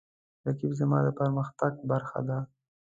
رقیب زما د پرمختګ برخه ده